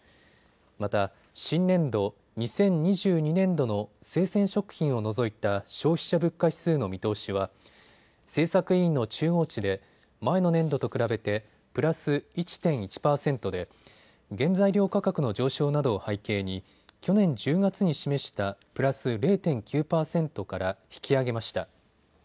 また新年度２０２２年度の生鮮食品を除いた消費者物価指数の見通しは政策委員の中央値で前の年度と比べてプラス１．１％で原材料価格の上昇などを背景に去年１０月に示したプラス０．９％から引き上げました。